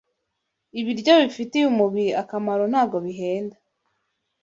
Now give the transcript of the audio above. Ibyokurya bifitiye umubiri akamaro ntago bihenda